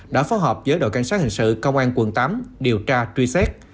đã phối hợp với đội cảnh sát hình sự công an quận tám điều tra truy xét